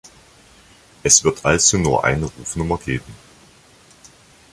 Es wird also nur eine Rufnummer geben.